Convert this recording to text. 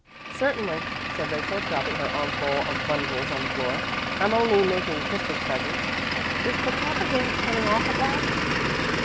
"Certainly," said Rachel, dropping her armful of bundles on the floor. "I'm only making Christmas presents. Is the Kappa Phi dance coming off at last?"